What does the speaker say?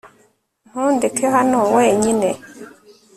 Ntundeke hano wenyine